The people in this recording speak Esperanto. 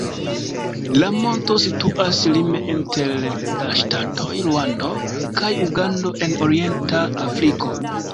La monto situas lime inter la ŝtatoj Ruando kaj Ugando en orienta Afriko.